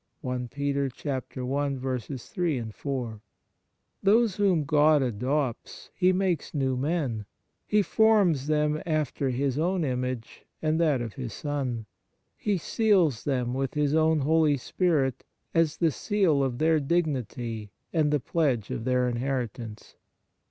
2 Those whom God adopts He makes new men; He forms them after His own image and that of His Son; He seals them with His own Holy Spirit as the seal of their dignity and the pledge of their inheritance.